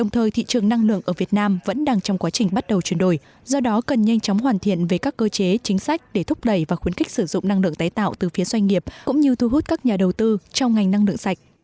thị trường năng lượng ở việt nam vẫn đang trong quá trình bắt đầu chuyển đổi do đó cần nhanh chóng hoàn thiện về các cơ chế chính sách để thúc đẩy và khuyến khích sử dụng năng lượng tái tạo từ phía doanh nghiệp cũng như thu hút các nhà đầu tư trong ngành năng lượng sạch